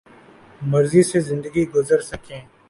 مرضی سے زندگی گرز سکیں